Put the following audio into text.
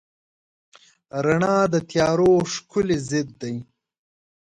رڼا د تیارو ښکلی ضد دی.